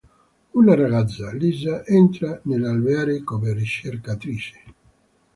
Una ragazza, Lisa, entra nell'alveare come ricercatrice.